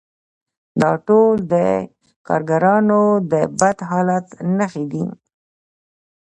دا ټول د کارګرانو د بد حالت نښې دي